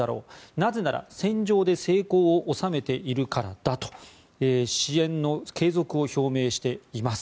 なぜなら戦場で成功を収めているからだと支援の継続を表明しています。